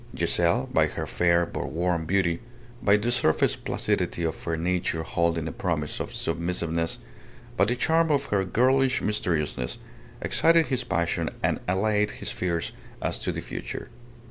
Giselle, by her fair but warm beauty, by the surface placidity of her nature holding a promise of submissiveness, by the charm of her girlish mysteriousness, excited his passion and allayed his fears as to the future.